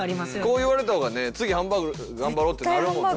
こう言われた方がね次ハンバーグ頑張ろうってなるもんな。